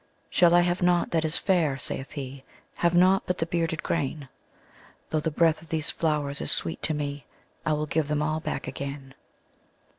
``Shall I have nought that is fair?'' saith he; ``Have nought but the bearded grain? Though the breath of these flowers is sweet to me, I will give them all back again.''